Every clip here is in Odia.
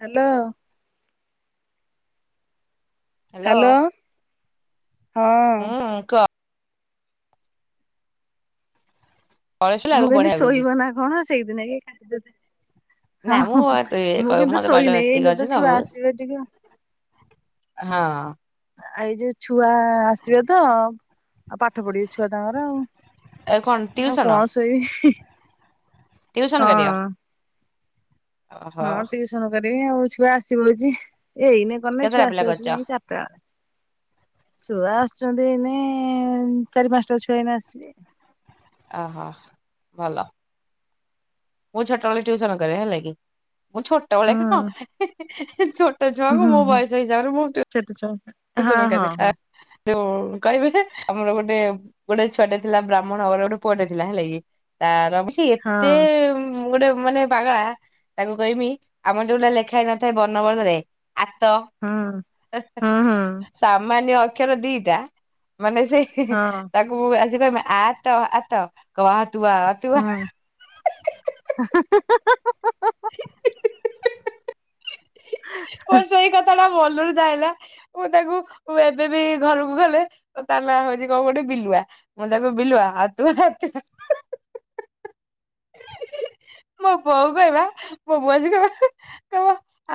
ହ୍ୟାଲୋ। ହ୍ୟାଲୋ ହଁ। ହୁଁ କୁହ କଳେଇ ଶୁଇଲା ମୁଁ ବେଳକୁ କହିିନି ବଢିଆ ଲାଗୁଛି। ଶୋଇବ ନା କଣ ସେଇଦିନ କି ଖାଇଦେ ନା ମୁଁ ହଁ ତୁ ମୁଁ କିନ୍ତୁ ମତେ କହିଲୁ ଶୋଇନହିଁ ଏତିକି ଏଇନ ଅଛି ତ ହଁ ଛୁଆ ଆସିବେ ଟିକେ। ହଁ। ଏଇ ଯୋଉ ଛୁଆ ଆସିବେ ତ ଆଉ ପାଠ ପଢିବେ ଛୁଆ ତାଙ୍କର ଆଉ। ଏ କଣ ନା ଟିଉସନ କଣ ଶଇ ଟିଉସନ୍ କରି ଦିଅ। ହଁ ଟିଉସନ କରିବି ଆଉ ଛୁଆ ଆସିବଉଛି ଏଇନେ କ କେତେଟା ଛୁଆ ପିଲା ଆସିବ ଆସା କରିଛ ଜାଇ ଚା ଟା। ଛୁଆ ଆସୁଛନ୍ତି ଏଇନେ ଚାରି ପାଞ୍ଚଟା ଛୁଆ ଏଇନ ଆସିବେ। ଅହ ଭଲ। ମୁଁ ଛୋଟବେଳେ ଟିଉସନ କରେ ହେଲେ କି ମୁଁ ଛୋଟବେଳେ ହୁଁ କଣ ହିଁ, ହିଁ ତୋ ଛୁଆଙ୍କୁ ମୋ ବୟସ ହିସାବରେ ମୁଁ ସେଠ ଚ [unintelligible] ସମ କଦ [unintelligible] ଯୋଉ କହିବେ ଆମର ଗୋଟେ ଗୋଟେ ଛୁଆଟେ ଥିଲା ବ୍ରାହ୍ମଣବର ଗୋଟେ ପୁଅଟେ ଥିଲା ହେଲା କି? ତାର ଛି ଏତେ ଗୋଟେ ମାନେ ପାଗଳା। ତାଙ୍କୁ କହମି ଆମର ଯୋଉ ଟା ଲେଖା ହେଇ ନଥାଏ ବର୍ଣବୋଧରେ ଆତ ହଁ -ହଁ -। ସାମାନ୍ୟ ଅକ୍ଷର ଦିଟା ମାନେ ସେହି ହି ହଁ ତାକୁ ଆଜି କ ଆ ଆତ କ ତୁ [unintelligible] ହୁଁ। ହ [unintelligible] ମୋର ସେଇ କଥାଟା ଭଲରେ ଯାଇଲା ମୁଁ ତାକୁ ଏବେ ବି ଘରକୁ ଗଲେ ତାର ନାଁ ହଉଛି କ ଗୋଟେ ବିଲୁଆ। ମୁଁ ଡାକେ ବିିଲୁଆ ଆ ତୁ [unintelligible] [inaudible] ମୋ ପୁଅ କ କହିବା ମୋ ବୁଅ ଯୀ କହ [unintelligible] ତ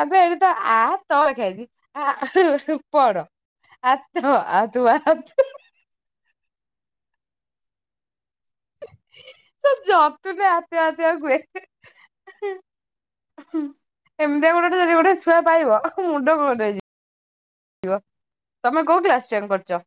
ଏବେ ଏଠି ତ ଆ ତ ଲେଖାହେଇଛି ଆ ପଢ଼। ଆତ ଆ ତୁ ଆ ତ। ଜବ ତ ନ ଆତ ଆତ ଗ [unintelligible] ହୁଁ ଏମିତିଆ ଗୋଟେ ଯଦି ଗୋଟେ ଛୁଆ ପାଇବ ମୁଣ୍ଡ ଗୋଲ ହେଇଯିବ। ଥିବ ତମେ କୋଉ କ୍ଲାସ ଜଏନ କରିଛ।